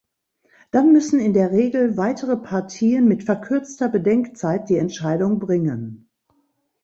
Dann müssen in der Regel weitere Partien mit verkürzter Bedenkzeit die Entscheidung bringen.